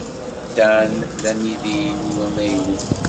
Dan d amidi-inu amaynu.